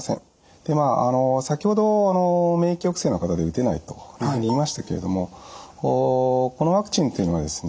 先ほど免疫抑制の方で打てないというふうに言いましたけれどもこのワクチンというのはですね